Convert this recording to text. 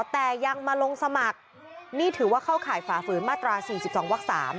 แต่ยังมาลงสมัครนี่ถือว่าเข้าข่ายฝ่าฝืนมาตรา๔๒วัก๓